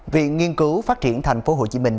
viện nghiên cứu phát triển thành phố hồ chí minh